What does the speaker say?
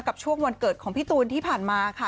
ช่วงวันเกิดของพี่ตูนที่ผ่านมาค่ะ